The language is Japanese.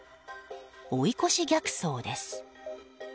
追い越し逆走です。